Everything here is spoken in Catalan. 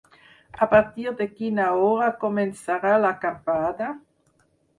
A partir de quina hora començarà l'acampada?